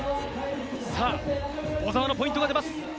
小澤のポイントが出ます。